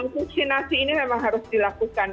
vaksinasi ini memang harus dilakukan